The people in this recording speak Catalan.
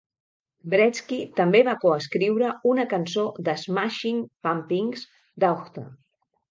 Wretzky també va coescriure una cançó de Smashing Pumpkins, "Daughter".